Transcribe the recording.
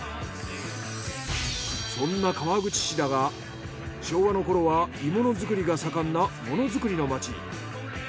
そんな川口市だが昭和の頃は鋳物づくりが盛んなものづくりの街。